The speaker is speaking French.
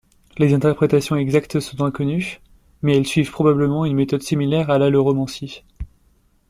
Les interprétations exactes sont inconnues, mais elles suivent probablement une méthode similaire à l'aleuromancie..